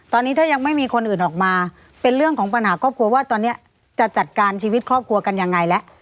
ตอนนี้ถ้ายังไม่มีคนอื่นออกมาเป็นเรื่องของปัญหาครอบครัวว่าตอนนี้จะจัดการชีวิตครอบครัวกันยังไงแล้ว